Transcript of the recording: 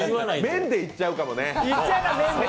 面でいっちゃうかもね。